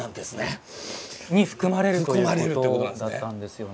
に含まれるということだったんですよね。